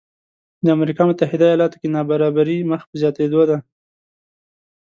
د امریکا متحده ایالاتو کې نابرابري مخ په زیاتېدو ده